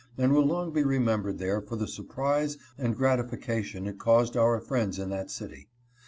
and will long be remembered there for the surprise and gratification it caused our friends in that city.